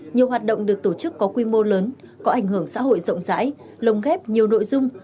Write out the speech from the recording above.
nhiều hoạt động được tổ chức có quy mô lớn có ảnh hưởng xã hội rộng rãi lồng ghép nhiều nội dung